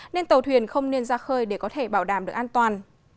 nên tàu thuyền không nên ra khơi để có thể bảo đảm được an toàn